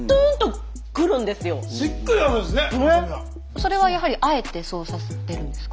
それはやはりあえてそうさせてるんですか？